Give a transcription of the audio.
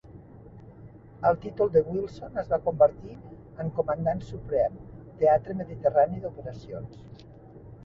El títol de Wilson es va convertir en Comandant Suprem, Teatre Mediterrani d'Operacions.